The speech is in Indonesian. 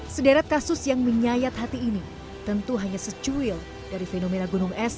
sederet kasus yang menyayat hati ini tentu hanya secuil dari fenomena gunung es